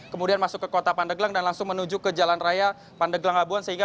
kemudian masuk ke kota pandeglang dan langsung menuju ke jalan raya pandeglang abuan